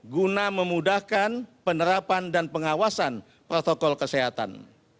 guna memudahkan penerapan dan pengawasan protokol kesehatan